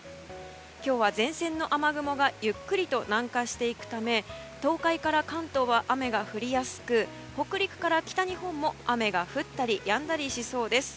今日は前線の雨雲がゆっくりと南下していくため東海から関東は雨が降りやすく北陸から北日本も、雨が降ったりやんだりしそうです。